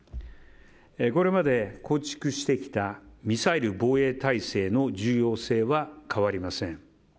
これまで構築してきたミサイル防衛体制の重要性は変わりません。